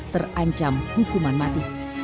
terancam hukuman mati